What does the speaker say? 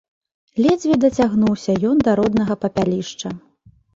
Ледзьве дацягнуўся ён да роднага папялішча.